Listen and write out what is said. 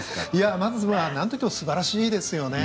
まずはなんといっても素晴らしいですよね。